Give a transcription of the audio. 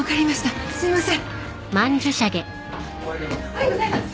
おはようございます。